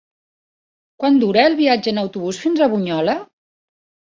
Quant dura el viatge en autobús fins a Bunyola?